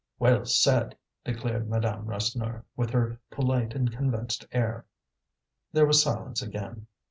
"Well said," declared Madame Rasseneur, with her polite and convinced air. There was silence again.